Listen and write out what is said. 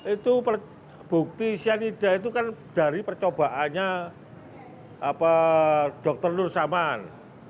itu bukti cyanida itu kan dari percobaannya dr nur saman